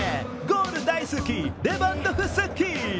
ゴール大好きレバンドフスキ！